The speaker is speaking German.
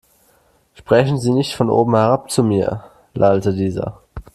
Sprechen Sie nicht von oben herab zu mir, lallte dieser.